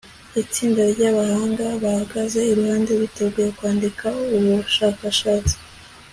itsinda ryabahanga bahagaze iruhande, biteguye kwandika ubushakashatsi